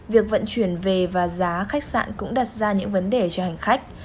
việc vận chuyển về và giá khách sạn cũng đặt ra những vấn đề cho hành khách